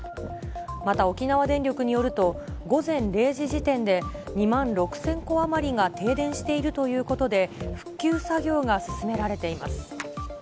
また沖縄電力によると、午前０時時点で２万６０００戸余りが停電しているということで、復旧作業が進められています。